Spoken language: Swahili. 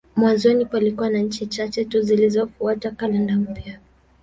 Mwanzoni palikuwa na nchi chache tu zilizofuata kalenda mpya.